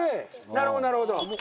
なるほどなるほど。